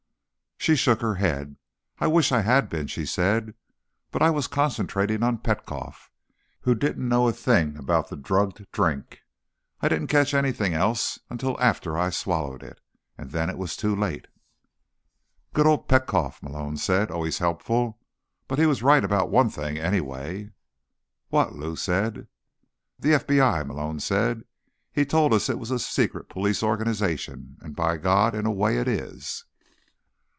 She shook her head. "I wish I had been," she said. "But I was concentrating on Petkoff, who didn't know a thing about the drugged drink. I didn't catch anything else until after I'd swallowed it. And then it was too late." "Good old Petkoff," Malone said. "Always helpful. But he was right about one thing, anyway." "What?" Lou said. "The FBI," Malone said. "He told us it was a secret police organization. And, by God, in a way it is!"